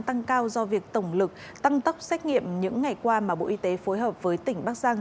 tăng cao do việc tổng lực tăng tốc xét nghiệm những ngày qua mà bộ y tế phối hợp với tỉnh bắc giang